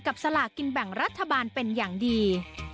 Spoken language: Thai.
สลากินแบ่งรัฐบาลเป็นอย่างดี